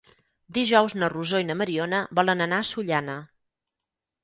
Dijous na Rosó i na Mariona volen anar a Sollana.